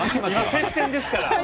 接戦ですから。